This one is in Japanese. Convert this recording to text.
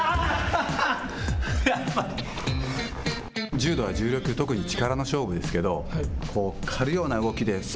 柔道は重量級、特に力の勝負になりますけれども、刈るような動きです